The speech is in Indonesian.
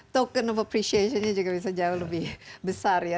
token of appreciation nya juga bisa jauh lebih besar ya